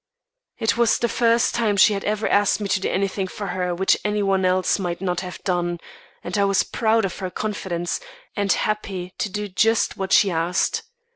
It was the first time she had ever asked me to do anything for her which any one else might not have done, and I was proud of her confidence, and happy to do just what she asked.